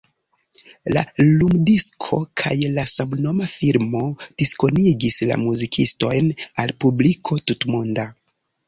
La lumdisko kaj la samnoma filmo diskonigis la muzikistojn al publiko tutmonda.